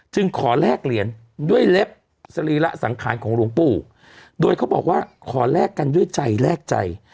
ขอแลกเหรียญด้วยเล็บสรีระสังขารของหลวงปู่โดยเขาบอกว่าขอแลกกันด้วยใจแลกใจ